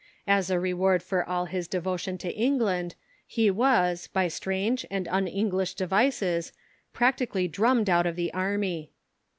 As a reward for all his devotion to England he was, by strange and un English devices, practically drummed out of the Army.